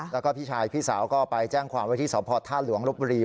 แล้วก็พี่ชายพี่สาวก็ไปแจ้งความไว้ที่สพท่าหลวงลบบุรี